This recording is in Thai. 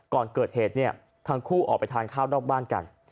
ก่อนเกิดเหตุเนี่ยทั้งคู่ออกไปทานข้าวนอกบ้านกัน